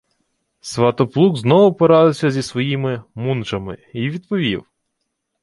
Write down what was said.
Сватоплук знову порадився зі своїми «мунжами» й відповів: